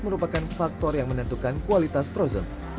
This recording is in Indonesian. merupakan faktor yang menentukan kualitas frozen